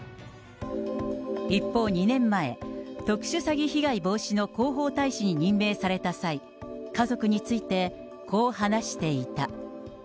一方２年前、特殊詐欺被害防止の広報大使に任命された際、家族について、こう話していた。